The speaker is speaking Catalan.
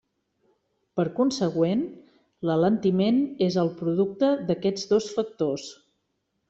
Per consegüent, l'alentiment és el producte d'aquests dos factors.